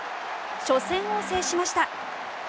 初戦を制しました。